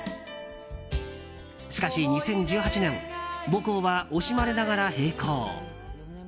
しかし２０１８年母校は惜しまれながら閉校。